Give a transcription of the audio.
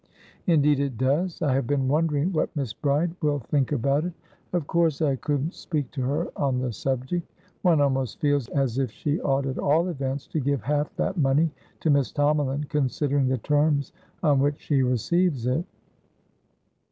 "Indeed it does. I have been wondering what Miss Bride will think about it. Of course I couldn't speak to her on the subject. One almost feels as if she ought at all events to give half that money to Miss Tomalin, considering the terms on which she receives it."